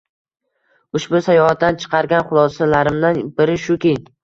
Ushbu sayohatdan chiqargan xulosalarimdan biri shuki